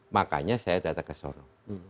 makanya saya datang ke sana